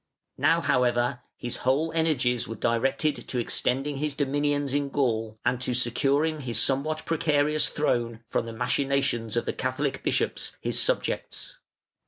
Now, however, his whole energies were directed to extending his dominions in Gaul, and to securing his somewhat precarious throne from the machinations of the Catholic bishops, his subjects.